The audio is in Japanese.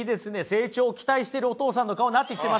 成長を期待しているお父さんの顔なってきてますよ！